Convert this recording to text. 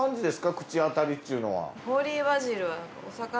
口当たりっていうのは。